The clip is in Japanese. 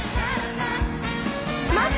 待って！